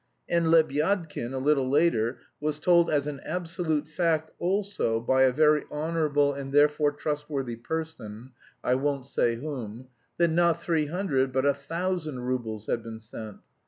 And Lebyadkin, a little later, was told as an absolute fact also by a very honourable and therefore trustworthy person, I won't say whom, that not three hundred but a thousand roubles had been sent!...